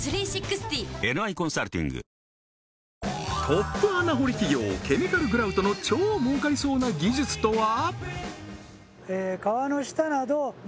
トップ穴掘り企業ケミカルグラウトの超儲かりそうな技術とは？